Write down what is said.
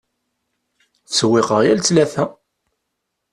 Ttsewwiqeɣ yal ttlata.